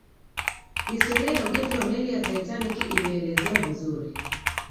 historia ya ujenzi wa meli ya titanic imeelezewa vizuri